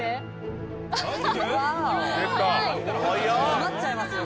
詰まっちゃいますよ